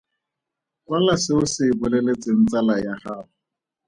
Kwala se o se boleletseng tsala ya gago.